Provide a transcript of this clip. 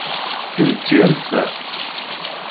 Timetti am ta.